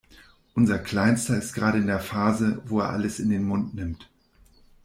Unser Kleinster ist gerade in der Phase, wo er alles in den Mund nimmt.